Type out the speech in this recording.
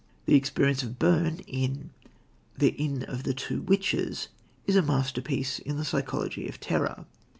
The experience of Byrne in The Inn of the Two Witches is a masterpiece in the psychology of terror.